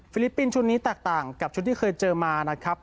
ลิปปินส์ชุดนี้แตกต่างกับชุดที่เคยเจอมานะครับ